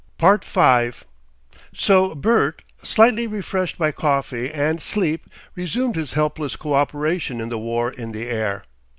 5 So Bert, slightly refreshed by coffee and sleep, resumed his helpless co operation in the War in the Air.